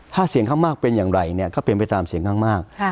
ถ้าเสียงข้างมากเป็นอย่างไรเนี่ยก็เป็นไปตามเสียงข้างมาก